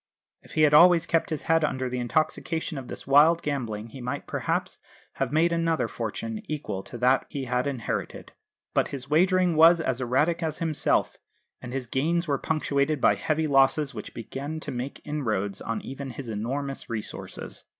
If he had always kept his head under the intoxication of this wild gambling he might perhaps have made another fortune equal to that he had inherited. But his wagering was as erratic as himself, and his gains were punctuated by heavy losses which began to make inroads on even his enormous resources.